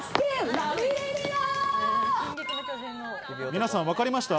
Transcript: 皆さん分かりましたか？